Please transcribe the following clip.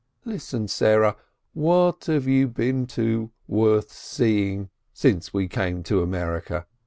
Listen, Sarah, what have you been to worth seeing since we came to America